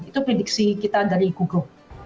itu prediksi kita dari google